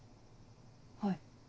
はい。